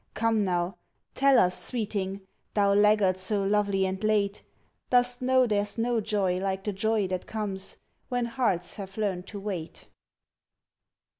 Come now tell us, sweeting, Thou laggard so lovely and late, Dost know there's no joy like the joy that comes When hearts have learned to wait?